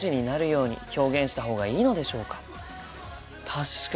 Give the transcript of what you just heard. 確かに。